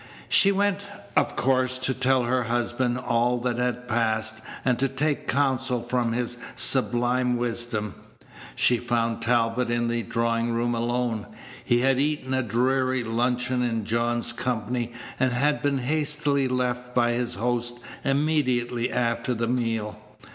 She went, of course, to tell her husband all that had passed, and to take counsel from his sublime wisdom. She found Talbot in the drawing room Page 175 alone; he had eaten a dreary luncheon in John's company, and had been hastily left by his host immediately after the meal.